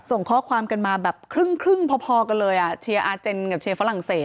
ส่งข้อความกันมาแบบครึ่งพอกันเลยอ่ะเชียร์อาเจนกับเชียร์ฝรั่งเศส